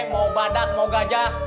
mau badak mau gajah